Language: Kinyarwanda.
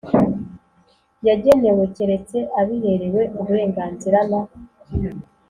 yagenewe keretse abiherewe uburenganzira na